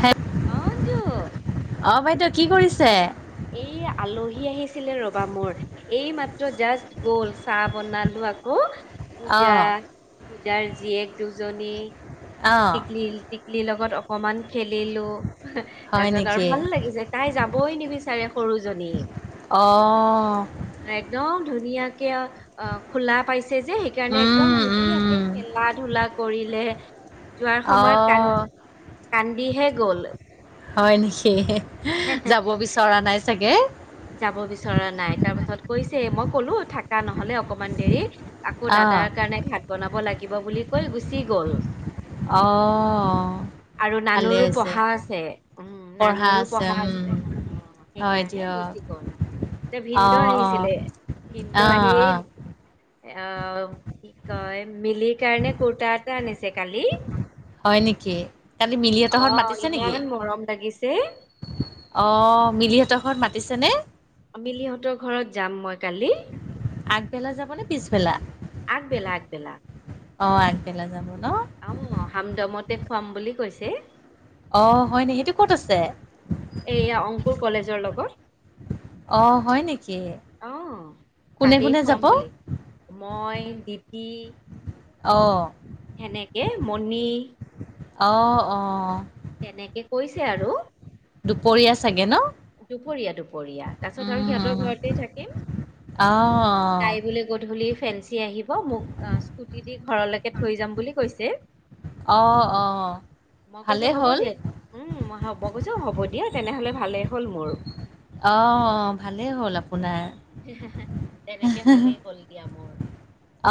হে- অঁনজু। অ বাইদেউ কি কৰিছে? আলহী আহিছিলে ৰবা মোৰ এই মাত্ৰ জাষ্ট গ'ল চাহ বনালো আকৌ, অ এতিয়া পূজাৰ জীয়েক দুজনী অ টিকলি টিকলিৰ লগত অকণমান। খেলিলো তাৰ হয় পিছত আৰু নেকি ভাল লাগিছে তাই যাবই নিবিচাৰে সৰু জনী। অ। একদম ধুনীয়া অ খোলা পাইছে যে সেইকাৰণে একদম উম ধুনীয়াকে উম খেলা ধূলা কৰিলে। যোৱাৰ অ সময়ত কান্দ, কান্দিহে গ'ল। হয় নেকি, যাব বিচৰা নাই চাগে। যাব বিচৰা নাই তাৰ পাছত কৈছে মই কলো থাকা নহলে অকমান দেৰি আকৌ অ দাদাৰ কাৰণে ভাত বনাব লাগিব বুলি কৈ গুচি গ'ল। অ। আৰু নানুৰো পঢ়া আছে উম পঢ়া নানুৰো পঢ়া উম আছে। অ হয় সেইকাৰণে দিয়ক গ। [inaudible] অ ভিনদ অ আহিছিলে ভিনদ' অ আহি অ আহ কি কয় মিলি কাৰণে কুৰ্তা এটা আনিছে কালি। হয় নেকি? কালি অ মিলিহঁতৰহত মাতিছে ইমান নেকি মৰম লাগিছে অ মিলিহঁতৰ। ঘৰত মাতিছে নে। মিলিহঁতৰ ঘৰত যাম মই কালি। আগবেলা যাব নে পিছবেলা? আগ বেলা, আগ বেলা অ আগবেলা যাব ন অহ হামদমতে দেখুৱাম বুলি কৈছে। অহ হয়নিকি, সেইটো কত আছে? এইয়া অংকুৰ কলেজৰ লগত অ হয় নেকি, অহ কোনে তাতেই কোনে খুৱাম যাব? বুলি মই দিতি অহ সেনেকে মণি অ অঁ। তেনেকে কৈছে আৰু। দুপৰীয়া চাগে নহ দুপৰীয়া, দুপৰীয়া তাৰ পাছত আৰু সিহঁতৰ উম ঘৰতেই থাকিম। অঁ তাই বোলে, গধূলি ফেঞ্চি আহি ব মোক স্কুটি দি ঘৰলৈকে থৈ যাম বুলি কৈছে। অঁ অঁ অঁ মই কৈছো ভালেই হ'ব হ'ল দিয়া, উম মই মই কৈছো হ'ব দিয়া তেনেহলে ভালেই হ'ল মোৰ। অহ ভালেই হল আও তেনেকে ভালেই গ'ল দিয়া মোৰ।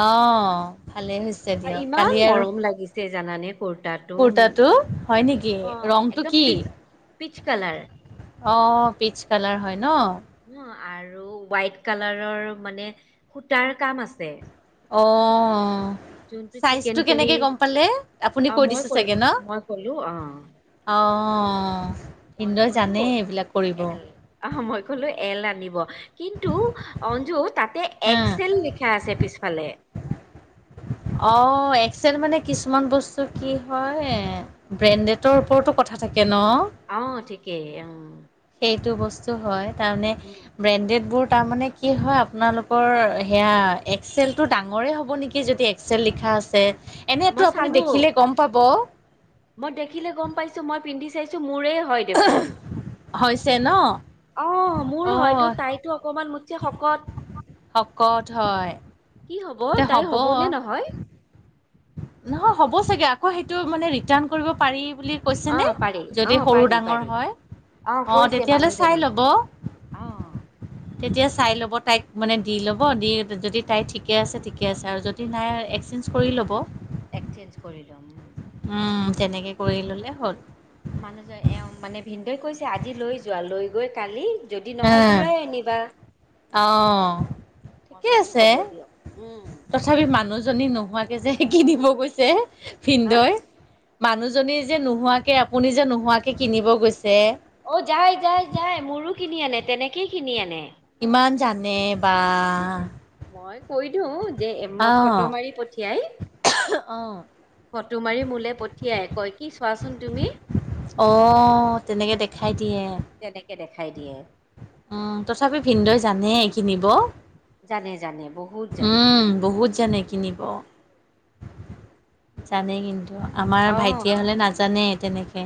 অঁহ ভালেই হৈছে আৰু দিয়ক, ইমান কালি আৰু মৰম লাগিছে জানানে? কুৰ্তাটো কুৰ্তাটো কি হয় নেকি? ৰংটো কি? পিত্চ কালাৰ। অ', পিত্চ কালাৰ হয় ন? অ আৰু হোৱাইট কালাৰৰ মানে সূতাৰ কাম আছে। অ', অ'। যোনটো চিকেন চাইজটো কাৰী কেনেকে গম পালে, আপুনি অ কৈ মই দিছে চাগে কলো ন? মই কলো অ অ'। মই ক'লো এল, মই ক'লো এল আনিব, কিন্তু অঞ্জু তাতে হা এক্স এল লিখা আছে পিছ ফালে। অ', এক্স এল মানে কিছুমান বস্তু কি হয়, এ ব্ৰেন্দেতৰ ওপৰতো কথা থাকে ন। অ' ঠিকেই, অ'। এইটো বস্তু হয়, তাৰ মানে উ ব্ৰেণ্ডেডবোৰ তাৰ মানে কি হয় আপোনালোকৰ, সেয়া এক্সেলটো ডাঙৰে হ'ব নেকি যদি এক্সেল লিখা আছে, মই এনেইটো আপুনি চালো দেখিলে গম পাব। মই দেখিলে গম পাইছো মই পিন্ধি চাইছো মোৰে হয় দেখোন। হৈছে ন অহ মোৰ হয়তো অ' তাইতো অকমান মোতকে শকত। শকত হয়। কি হ'ব, তাইৰ হ'ব নে নহয়? নহয় হ'ব চাগে, আকৌ সেইটো মানে ৰিটাৰ্ণ কৰিব পাৰি বুলি কৈছে অ নে, পাৰি অ যদি সৰু পাৰি ডাঙৰ পাৰি হয়? অ', কৈছে তেতিয়াহ'লে চাই মানুহজনী ল'ব। অ তেতিয়া চাই ল'ব তাইক মানে দি ল'ব দি যদি তাই ঠিকে আছে ঠিকে আছে আৰু যদি নাই আৰু এক্সচেঞ্জ কৰি ল'ব। এক্সচেঞ্জ কৰি ল'ম, উম। উম, তেনেকে কৰি ল'লে হ'ল। মানুহজন, এওঁ মানে ভিনদেউৱে কৈছে আজি লৈ যোৱা, লৈ গৈ কালি যদি নহয় অ', ঘূৰাই আনিবা অ'। মই ঠিকে কৈছো আছে হ'ব দিয়ক উম তথাপি মানুহজনী নোহোৱাকে যে শিকি দিব গৈছে হা ভিনন্দই। মানুহজনী যে নোহোৱাকে আপুনি যে নোহোৱাকে কিনিব গৈছে অ' যায় যায় যায় মোৰো কিনি আনে তেনেকেই কিনি আনে ইমান জানে বা মই কৈ দিওঁ যে এই ফটো মাৰি পঠি অ', তোমাৰি মোলে পঠিয়াই কয় কি চোৱাচোন তুমি হঅ' তেনেকে দেখাই দিয়ে তেনেকে দেখাই দিয়ে উম তথাপি ভিনদই জানে কিনিব জানে জানে বহুত জানে উম, বহুত জানে কিনিব জানে কিন্তু আমাৰ অ ভাইটি হ'লে নাজানেই তেনেকে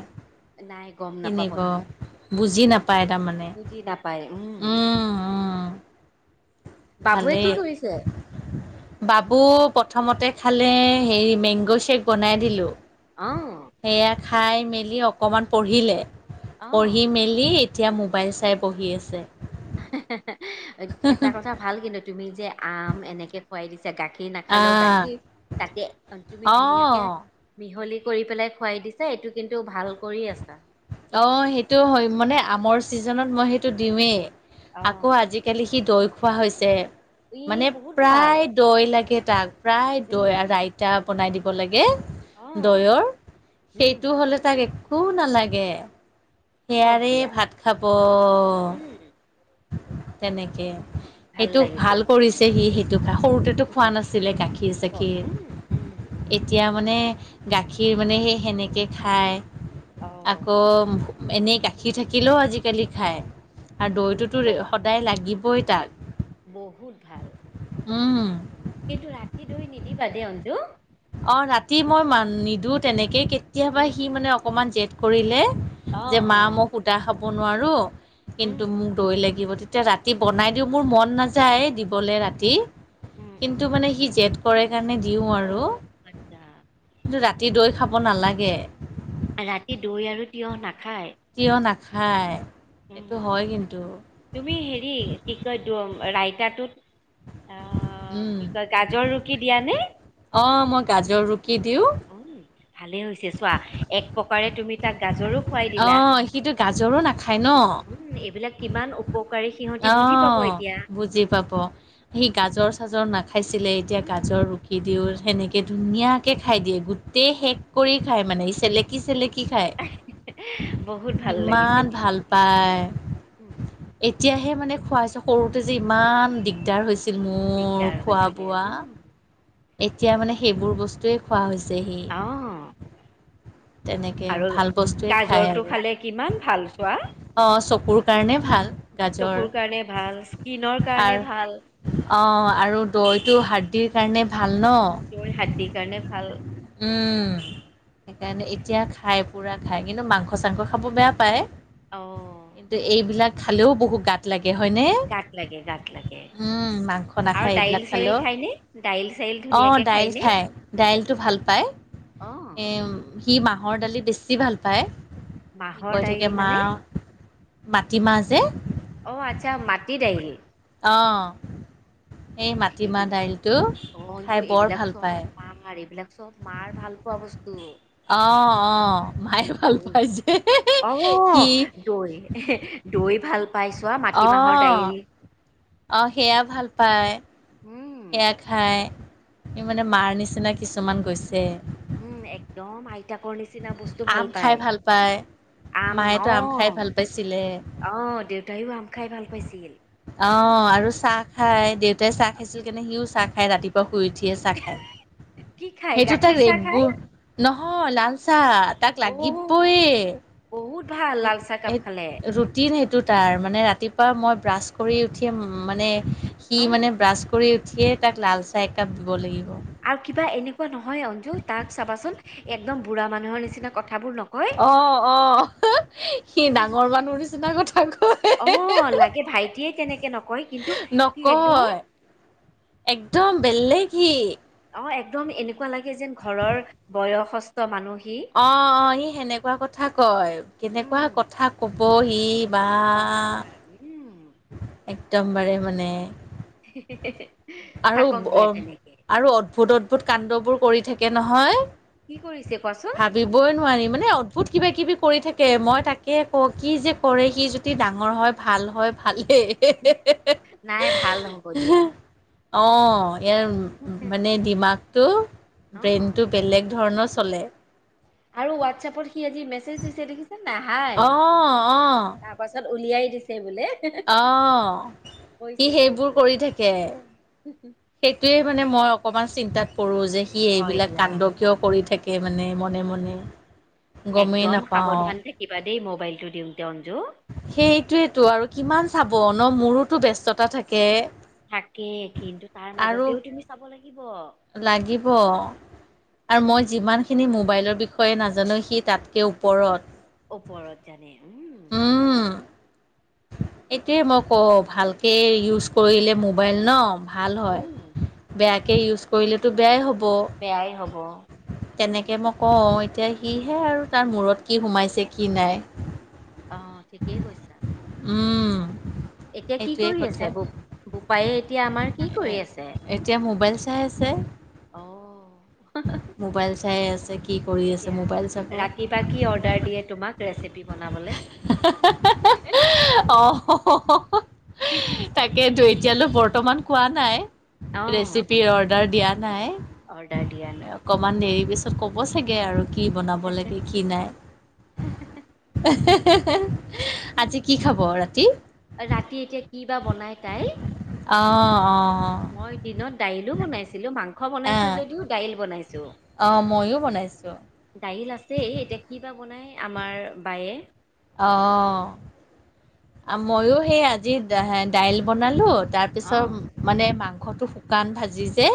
নাই গম নাপাব কিনিব সিহঁত বুজি নাপ পাই তাৰমানে বুজি নাপায় উম উম বাবুৱে কি ভালেই কৰিছে বাবু প্ৰথমতে খালে হেৰি মেংগ' শ্বেক বনাই দিলোঁ অ' সেয়া খাই মেলি অকণমান পঢ়িলে পঢ়ি অ', মেলি এতিয়া মোবাইল চাই বহি আছে এটা কথা ভাল কিন্তু তুমি যে আম এনেকে খুৱাই দিছা গাখীৰ নাখালেও আহ গাখীৰ তাতে তুমি ধুনীয়াকে অ মিহলি কৰি পেলাই খোৱাই দিছে এইটো কিন্তু ভাল কৰি আছা অ', সেইটো হয় মানে আমৰ চিজনত মই সেইটো দিওয়ে আকৌ অ', আজিকালি সি দৈ খোৱা হৈছে, ই মানে বহুত ভাল প্ৰায় দৈ লাগে। তাক প্ৰায় উম, দৈ-ৰাইতা বনাই দিব লাগে। অ', দয়ৰ উম, সেইটো হ'লে তাক একো নালাগে হওক সেয়াৰেই দিয়া ভাত খাব উম, তেনেকে ভাল সেইটো লাগিছে ভাল দিয়া কৰিছে সি, সেইটো খাই সৰুতেতো খোৱা নাছিলে গাখীৰ। গাখীৰ অ', চাখীৰ উম, উম, এতিয়া মানে গাখীৰ মানে সেই সেনেকে খায় অ', আকৌ এনেই গাখীৰ থাকিলেও আজিকালি খায় আৰু দৈটোতো ব- সদায় লাগিবই তাক বহুত ভাল উম, কিন্তু ৰাতি দৈ নিদিবা দে অঞ্জু অ', ৰাতি মই মান নিদিও তেনেকে কেতিয়াবা উম, সি মানে অকমান জেদ কৰিলে অ', যে মা মোক অ', সুদা খাব নোৱাৰো কিন্তু উম, মোক দৈ লাগিব এতিয়া ৰাতি বনাই দিওঁ মোৰ মন নাযায় দিবলৈ উম, ৰাতি উম, কিন্তু উম। মানে সি জেদ কৰে সেইকাৰণে দিওঁ অ' আৰু আচ্ছা, কিন্তু ৰাতি দৈ খাব নালাগে ৰাতি দৈ আৰু তিয়হ নাখায় কিয় নাখায় সেইটো উম হয় কিন্তু তুমি হেৰি কি কয় ৰাইতাটোত অ' কি কয় গাজৰ ৰুকি দিয়া নে? অ' মই গাজৰ ৰুকি দিওঁ উম ভালে হৈছে চোৱা এক প্ৰকাৰে তুমি তাক গাজৰো খুৱাই দিলা। অ', সিটো গাজৰো নাখায় ন উম, এইবিলাক কিমান উপকাৰী সিহঁতি বুজি পাব এতিয়া। অ' বুজি পাব সি গাজৰ-চাজৰ নাখায়। খাইছিলে এতিয়া উম, গাজৰ ৰুখি দিওঁ সেনেকৈ ধুনীয়াকৈ খাই দিয়ে গোটেই শেষ কৰি খাই মানে চেলেকি চেলেকি কি খাই বহুত ভাল লাগিছে ইমান দিয়া ভাল শুনি। পায় উম, এতিয়াহে মানে খুৱাইছো সৰুতে যে ইমান দিগদাৰ হৈছিল মোৰ দিগদাৰ খোৱা হৈছিলে বোৱা উম, এতিয়া মানে সেইবোৰ বস্তুুৱেই খোৱা হৈছেহি অ' তেনেকে আৰু ভাল বস্তুৱেই খায় গাজৰটো আৰু খালে কিমান ভাল চোৱা অ', চকুৰ কাৰণে ভাল গাজৰ চকুৰ কাৰণে ভাল, স্কিনৰ আৰ কাৰণে ভাল। অ', আৰু দৈটো হাৰদি। ভাল ন? তেওঁৰ হাড্ডিৰ কাৰণে ভাল উম! সেইকাৰণে এতিয়া খাই পুৰা খাই কিন্তু মাংস চাংস খাব বেয়া পায়। অ কিন্তু এইবিলাক খালেও বহুত গাত লাগে। তাকে হয়নে? গাত লাগে গাত লাগে উম, মাংস আৰু নাখায়, দাইল এইবিলাক চাইল খালেও। খায়নে দাইল চাইল অ', ধুনীয়াকে দাইল খায়নে খাই দাইলটো অ ভাল পায়। এ অ', সি মাহৰ দালি বেছি ভাল পায়। সি মাহৰ কৈ দাইল থাকে মা মানে মাটিমাহ যে অ', আচ্ছা মাটি দাইল। অঁ এই মাটিমাহ এইবিল দাইলটো অ অঞ্জু খাই বৰ এইবিলাক ভাল চব পায়। মাৰ এইবিলাক চব মাৰ ভাল পোৱা বস্তু। অঁ অঁ মায়ে ভাল দৈ পায় যে অ', সি দৈ দ। গৈ ভাল পাই চোৱা মাটিমাহৰ অঁ দাইল। অ', সেয়া ভাল পায়। উম সেয়া খাই, সি মানে মাৰ নিচিনা কিছুমান গৈছে। উম' একদম আইতাকৰ নিচিনা বস্তু ভাল আম খাই পায়। ভাল পায় আম মায়েতো খাই অ', ভাল পাইছিলে অ', দেউতায়ো আম খাই ভাল পাইছিল। অ, আৰু চাহ খাই দেউতাই চাহ খাইছিল কেনে সিও চাহ খায় ৰাতিপুৱা শুই উঠি। চাহ খাই কি খাই সেইটো তাৰ গাখীৰ চাহ খাই ৰেডবোল নহয় লাল ছা তাক অ লাগিবইে বহুত ভাল লাল চাহ কাপ খালে ৰুটিন। টো তাৰ মানে ৰাতিপুৱা মই ব্ৰাছ কৰি উঠি মানে সি উম মানে ব্ৰাছ কৰি সিয়ে তাক লালচাহ একাপ দিব লাগিব। আৰু কিবা এনেকুৱা নহয় অঞ্জু তাক চাবাচোন একদম বুঢ়া মানুহৰ নিচিনা কথা অ', অ', সি ডাঙৰ মানুহৰ নিচিনা কথা কয় অ' লাগে ভাইটিয়ে তেনেকে নকয় কিন্তু কি একদম নকয় একদম বেলেগ সি। অ'এক্দম এনেকুৱা লাগে যেন ঘৰৰ বয়সস্থ মানুহ। সি অ', অ', সি সেনেকুৱা কথা কয়, কেনেকুৱা উম কথা কব সি। [unintelligible] একদমবাৰে মানে। আৰু, থাকক দিয়া তেনেকে আৰু অদ্ভুত অদ্ভুত কাণ্ডবোৰ! কৰি থাকে নহয়, কি কৰিছে কোৱাচোন ভাবিবই নোৱাৰি মানে অদ্ভুত কিবা কিবি! কৰি থাকে মই তাকে কওঁ কি যে কৰে সি যদি ডাঙৰ হয় ভাল হয়। ভালে এ,, নাই ভাল হ'ব দিয়া অ' ইয়াৰ মানে ডিমাগটো অ ব্ৰেইনটো বেলেগ ধৰণৰ চলে। আৰু হোৱাটছএপত সি আজি মেছেজ দিছে দেখিছে। অ', নাহাই অ', তাৰ পাছত উলিয়াই দিছে বোলে। অ', সি কৈছে সেইবোৰ ভাইটিয়ে। কৰি থাকে। সেইটোয়ে মানে মই অকমান চিন্তাত পৰু যে সি হয় এইবিলাক দিয়া কাণ্ড কিয় কৰি থাকে। এ মানে মনে মনে। গমেই একদম নাপাও সাৱধান থাকিবা দেই মোবাইলটো দিওতে অনজো। সেইটোৱেতো আৰু কিমান চাব ন মোৰোতো ব্যস্ততা থাকে। থাকে কিন্তু তাৰ আৰু মাজতেও তুমি চাব লাগিব। লাগিব। আৰু মই ই যিমানখিনি মোবাইলৰ বিষয়ে নাজানো সি তাতকে ওপৰত। ওপৰত জানে। উম উম। এইটোৱে মই কওঁ ভালকে ইউজ কৰিলে মোবাইল লম। ভাল হয়। উম বেয়াকৈ ইউজ কৰিলেতো বেয়াই হ'ব। বেয়াই হ'ব। কেনেকৈ মই কওঁ এতিয়া উম সিহে আৰু তাৰ মূৰত কি সোমাইছে কি নাই। অহ' ঠিকেই কৈছা। উম। এতিয়া কি সেইটোৱে কৰি কথা আছে? বো বোপায়ে এতিয়া আমাৰ কি কৰি আছে? তাই আছে? অ'। মোবাইল চাই আছে কি? কৰি আছে এতিয়া মোবাইল চাব ৰাতি বা কি অৰ্ডাৰ দিয়ে তোমাক ৰেচিপি বনাবলৈ। হা হা হা হা হা অ হ হ হ হ তাকে তু। এতিয়ালৈ বৰ্তমান কোৱা নাই ৰেচিপি অৰ্ডাৰ দিয়া নাই। অডাৰ দিয়া নাই। অকণমান দেৰি পিছত ক'ব চাগে আৰু কি বনাব লাগে কি নাই, এ হে হে হে হে। আজি কি খাব ৰাতি। দুটা বনাই খায়, অঁ অঁ মই দিনত দাইলও বনাইছিলো মাং- ক বনাইছোঁ যদিও দাইল বনাইছোঁ। অ' মইয়ো বনাইছোঁ। দাইল আছে, এতিয়া কিবা বনাই আমাৰ বায়ে। অ' মইয়ো সেই আজি দাই দাইল বনালোঁ। অ তাৰপিছত মানে মাংসটো শুকান ভাজি যে-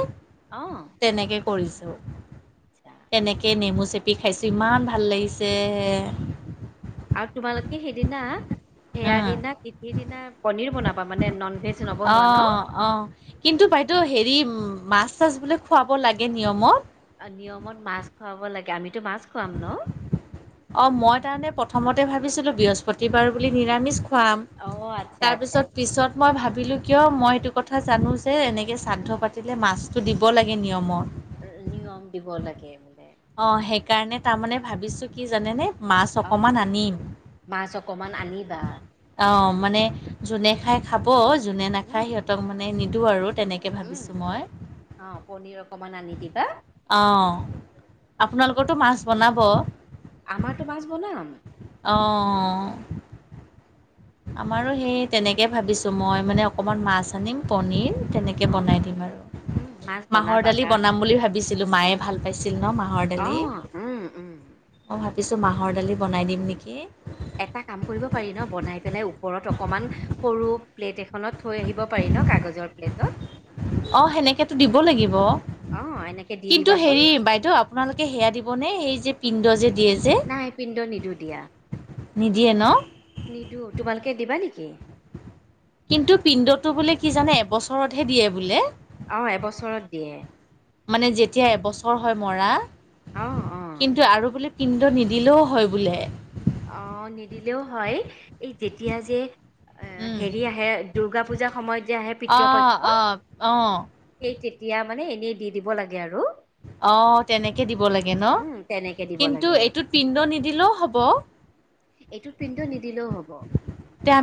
অ' কৰিছোঁ, আচ্ছা এনেকৈ নেমু চেপি - কি খাইছে ইমান ভাল লাগিছে। আৰু তোমালোকে সেইদিনা- সেয়া উম, দিনা তিথিৰ দিনা পনিৰ বনাবা মানে নন ভেজ নবনোৱা ন। তো হেৰি মাছ- তাছ বোলে খুৱাব লাগে নিয়মত। নিয়মত মাছ খুৱাব লাগে, আমিটো মাছ খুৱাম ন। অ মই তাৰমানে প্ৰথমতে ভাবিছিলোঁ বৃহস্পতিবাৰ বুলি নিৰামিষ- খাম, অ আচ্ছা আচ্ছা তাৰপিছত আচ্ছা পিছত মই ভাবিলোঁ কিয় মই সেইটো কথা জানো যে, এনে- উম শ্ৰাদ্ধ পাতিলে মাছটো দিব লাগে নিয়মত। উম উম নিয়ম দিব লাগে মানে। কাৰণে তাৰমানে ভাবিছোঁ কি জানে নে? মাছ অ অকণমান আনিম মাছ অকমান আনিবা অ। মানে জোনে খায় খাব জোনে উম নাখায় সিহঁতক মানে নিদিওঁ আৰু তেনেকৈ উম ভাবিছোঁ মই। অ পনিৰ অকমান আনি দিবা অ' আপোনালোকৰটো মাছ বনাব। আমাৰটো মাছ বনাম। অ' আমাৰো সেই তেনেকৈ ভাবিছোঁ, মই মানে অকনমান মাছ আনিম, পনীৰ- তেনেকৈ অ বনাই দিম উম, মাছ আৰু মাহৰ বনাবা দালি কাৰণ বনাম বুলি ভাবিছিলোঁ মায়ে ভাল পাইছিল। দিম ন মাহৰ দালি অ', উম, উম। অহাৰ পিছত মাহৰ দালি বনাই দিম নেকি? এটা কাম কৰিব পাৰি ন, বনাই পেলাই ওপৰত অকমান সৰু প্লেট এখনত থৈ আহিব পাৰি। কাগজৰ প্লেটত অ সেনেকাতো দিব লাগিব। অ', এনেকে দি কিন্তু দিবাচোন। হেৰি, বাইদেউ আপোনালোকে সেয়া দিবনে সেই যে পিণ্ড যে- দিয়ে যে নাই পিণ্ড নিদিওঁ দিয়া নিদিয়ে ন, নিদো তোমালোকে [unintelligible] কিন্তু পিণ্ডটো বোলে কি জানে বছৰতহে দিয়ে বোলে। আহ এবছৰত দিয়ে। মানে যেতিয়া এবছৰ হয় মৰা। অ' অ'। কিন্তু আৰু বোলে পিণ্ড নিদিলেও হয় বোলে। অ', নিদিলেও হয় এই যেতিয়া যে আহ হেৰি আহে দুূৰ্গা পূজাৰ সময়ত। যে আহে অ' পিতৃপক্ষ অ' অ'। সেই তেতিয়া মানে এনেই দি দিব লাগে আৰু। অ', তেনেকে দিব লাগে ন? উম, তেনেকে দিব কিন্তু, লাগে এইটোত পিণ্ড নিদিলেও হ'ব। এইটোত পিণ্ড নিদিলেও হব। তে